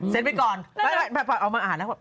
เซ็นไปก่อนเอามาอาหารแล้ว